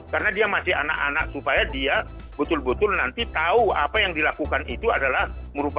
karena dia masih anak anak supaya dia betul betul nanti tahu apa yang dilakukan itu adalah merupakan hal yang diperlukan